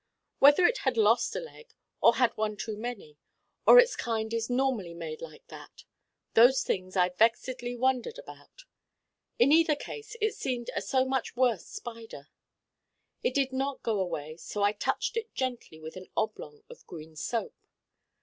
Whether it had lost a leg, or had one too many, or its kind is normally made like that: those things I vexedly wondered about. In either case it seemed a so much worse Spider. It did not go away so I touched it gently with an oblong of green soap.